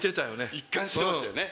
一貫してましたよね。